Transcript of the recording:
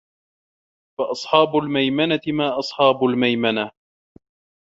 فَأَصحابُ المَيمَنَةِ ما أَصحابُ المَيمَنَةِ